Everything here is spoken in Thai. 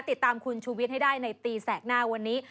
ติดตามคุณชูวิทย์ให้ได้ในตีแสกหน้าวันนี้